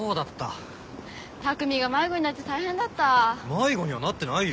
迷子にはなってないよ！